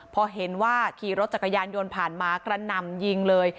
พอเห็นว่าขี่รถจักรยานยนต์ผ่านมากระหน่ำยิงเลย